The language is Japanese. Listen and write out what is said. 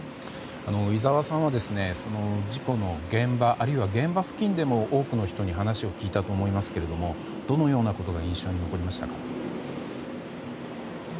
井澤さんは事故の現場あるいは現場付近でも多くの人に話を聞いたと思いますがどのようなことが印象に残りましたか。